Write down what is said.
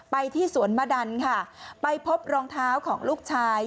ไปที่สวนมะดันค่ะไปพบรองเท้าของลูกชาย